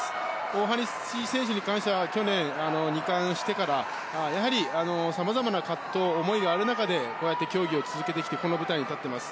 大橋選手に関しては去年２冠してからやはり様々な葛藤思いがある中でこうやって競技を続けてきてこの舞台に立っています。